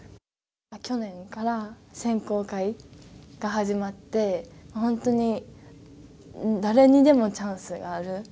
去年から選考会が始まって本当に誰にでもチャンスがある。